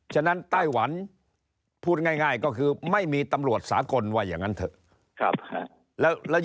ฉะนั้นไต้หวันพูดง่ายก็คือไม่มีตำรวจสากลว่าอย่างนั้นเถอะ